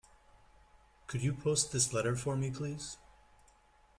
Could you post this letter for me please?